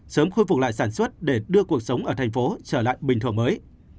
sớm khôi phục lại sản xuất để đưa cuộc sống ở tp hcm trở lại bình thường mới